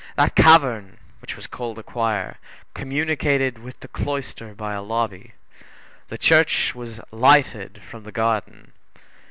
That cavern, which was called the choir, communicated with the cloister by a lobby. The church was lighted from the garden.